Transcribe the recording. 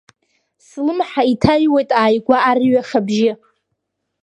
Слымҳа иҭаҩуеит ааигәа арҩаш абжьы.